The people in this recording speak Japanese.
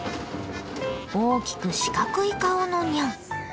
大きく四角い顔のニャン。